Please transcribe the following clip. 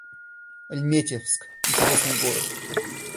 Альметьевск — интересный город